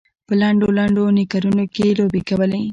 په لنډو لنډو نیکرونو کې یې لوبې کولې.